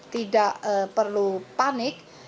tidak perlu panik